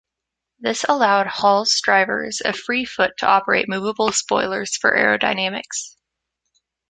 This allowed Hall's drivers a free foot to operate moveable spoilers for aerodynamics.